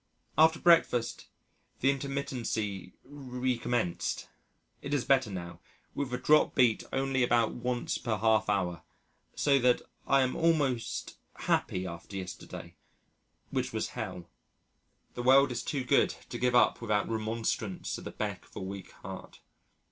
After breakfast the intermittency recommenced it is better now, with a dropped beat only about once per half hour, so that I am almost happy after yesterday, which was Hell. The world is too good to give up without remonstrance at the beck of a weak heart.